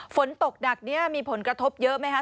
ฝนตกหนักนี้มีผลกระทบเยอะไหมคะ